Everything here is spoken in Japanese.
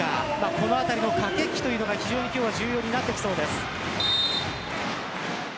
このあたりの駆け引きが今日は非常に重要になってきそうです。